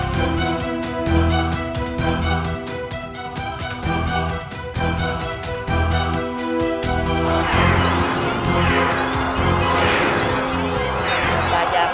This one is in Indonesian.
tuhan yang terbaik